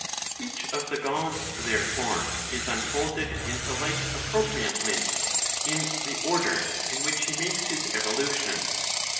Each of the Gods, therefore, is unfolded into light appropriately, in the orders in which he makes his evolution.